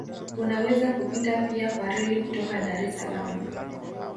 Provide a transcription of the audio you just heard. Unaweza kupita pia kwa reli kutoka Dar es Salaam